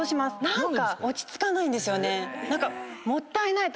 何か落ち着かないんですよね。